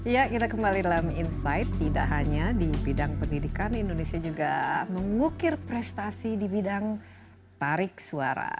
ya kita kembali dalam insight tidak hanya di bidang pendidikan indonesia juga mengukir prestasi di bidang tarik suara